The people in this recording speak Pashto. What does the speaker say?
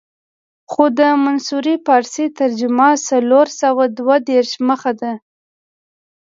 خو د منصوري فارسي ترجمه څلور سوه دوه دېرش مخه ده.